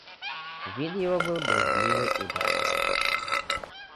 Вид его был брезгливый и даже надменный.